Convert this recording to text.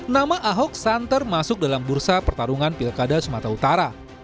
nama ahok santer masuk dalam bursa pertarungan pilkada sumatera utara